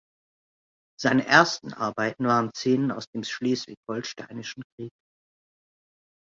Seine ersten Arbeiten waren Szenen aus dem Schleswig-Holsteinischen Krieg.